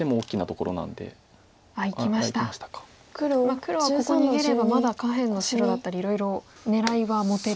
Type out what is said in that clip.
黒はここ逃げればまだ下辺の白だったりいろいろ狙いは持てる。